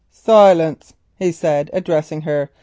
"Silence," he said, addressing her.